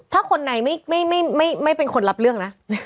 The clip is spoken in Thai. ถ้าคนในไม่เป็นคนรับเรื่องนะ